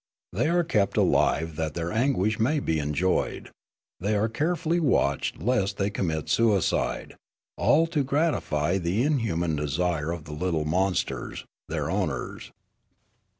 They are kept alive that their anguish may be enjoyed ; they are carefully watched lest they commit suicide, all to gratify the inhuman desire of the little monsters, their owners.